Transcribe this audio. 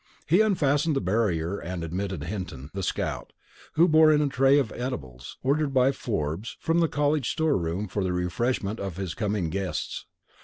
He unfastened the barrier and admitted Hinton, the scout, who bore in a tray of eatables, ordered by Forbes from the college store room for the refreshment of his coming guests.